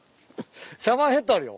シャワーヘッドあるよ。